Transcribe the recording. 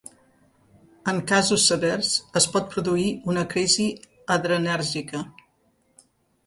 En casos severs, es pot produir una crisi adrenèrgica.